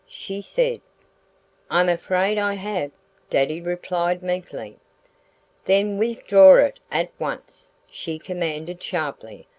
she said. "I'm afraid I have," Daddy replied meekly. "Then withdraw it at once!" she commanded sharply.